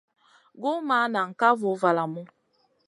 Gu ma ŋahn ka voh valamu.